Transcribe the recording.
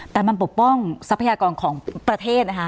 แต่มันปกป้องทรัพยากรของประเทศนะคะ